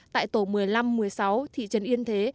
tại tổ một mươi năm một mươi sáu thị trấn yên thế